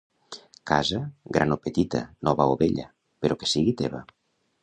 Casa, gran o petita, nova o vella; però que sigui teva.